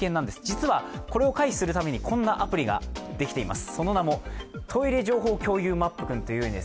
実はこれを回避するためにこんなアプリができています。